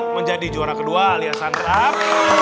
menjadi juara kedua alias sunter up